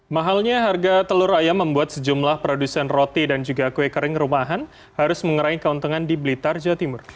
mahalnya harga telur ayam membuat sejumlah produsen roti dan juga kue kering rumahan harus mengerai keuntungan di blitar jawa timur